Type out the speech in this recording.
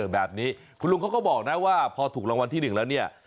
แบบนี้คุณลุงเขาก็บอกนะว่าพอถูกรางวัลที่๑แล้วเนี่ย